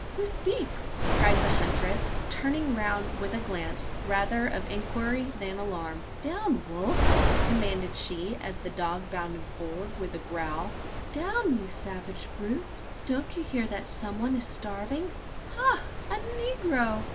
who speaks?" cried the huntress, turning round with a glance rather of inquiry than alarm. "Down, Wolf!" commanded she, as the dog bounded forward with a growl. "Down, you savage brute! Don't you hear that some one is starving? Ha! a negro!